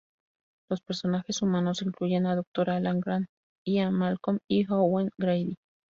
Los personajes humanos incluyen a Dr. Alan Grant, Ian Malcolm, y Owen Grady.